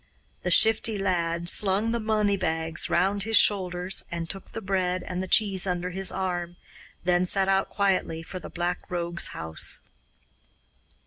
The Shifty Lad slung the money bags round his shoulders and took the bread and the cheese under his arm, then set out quietly for the Black Rogue's house.